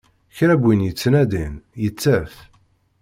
Kra n win yettnadin, yettaf.